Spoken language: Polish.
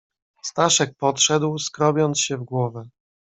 "Staszek podszedł, skrobiąc się w głowę."